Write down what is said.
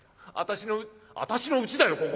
私の私のうちだよ